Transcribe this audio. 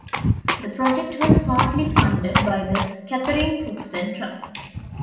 The project was partly funded by the Catherine Cookson Trust.